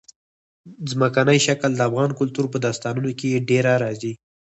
ځمکنی شکل د افغان کلتور په داستانونو کې ډېره راځي.